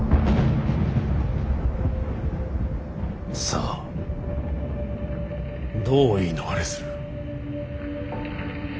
さあどう言い逃れする。